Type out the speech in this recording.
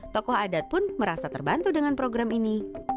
tokoh adat pun merasa terbantu dengan program ini